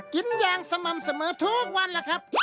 กินยางสม่ำเสมอทุกวันล่ะครับ